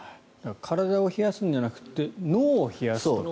体を冷やすんじゃなくて脳を冷やす。